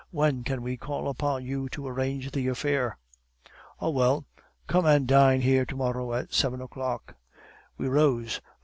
When can we call upon you to arrange the affair?' "'Oh, well! Come and dine here to morrow at seven o'clock.' "We rose.